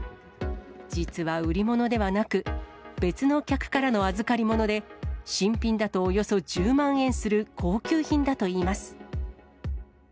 実は売り物ではなく、別の客からの預かり物で、新品だとおよそ１０万円する高級品だといいます。